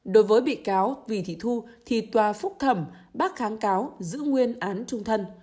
đối với bị cáo vì thị thu thì tòa phúc thẩm bác kháng cáo giữ nguyên án trung thân